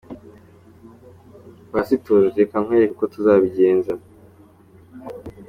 Pasitoro : Reka nkwereke uko tuzabigenza.